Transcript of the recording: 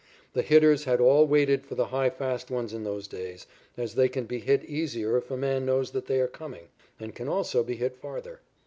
The hitters had all waited for the high fast ones in those days, as they can be hit easier if a man knows that they are coming, and can also be hit farther.